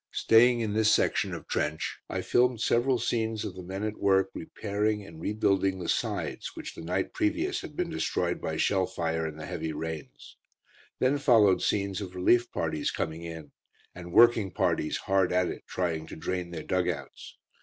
Staying in this section of trench, I filmed several scenes of the men at work repairing and rebuilding the sides which the night previous had been destroyed by shell fire and the heavy rains. Then followed scenes of relief parties coming in, and working parties hard at it trying to drain their dug outs.